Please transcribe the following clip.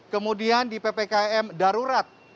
kemudian di ppkm darurat